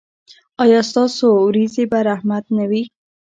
ایا ستاسو ورېځې به رحمت نه وي؟